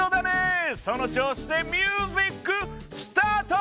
そのちょうしでミュージックスタート！